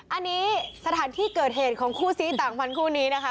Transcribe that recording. อันนี้สถานที่เกิดเหตุของคู่ซี้ต่างพันธ์คู่นี้นะคะ